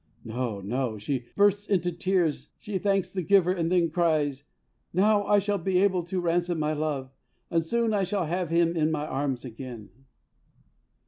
* No, no. She bursts into tears. She thanks the giver, and she cries : 'Now I shall be able to ransom my love, and soon I shall have him in my arms again.